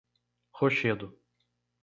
Rochedo